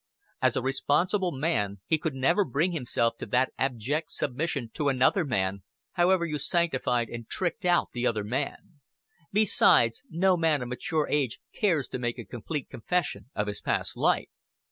As a responsible man he could never bring himself to that abject submission to another man, however you sanctified and tricked out the other man; besides, no one of mature age cares to make a complete confession of his past life.